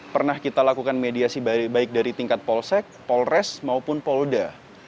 pernah kita lakukan mediasi baik dari tingkat polsek polres maupun polda